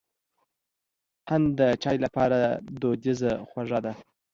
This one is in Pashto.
قند د چای لپاره دودیزه خوږه ده.